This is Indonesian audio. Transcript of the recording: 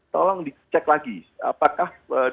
tolong dicek lagi apakah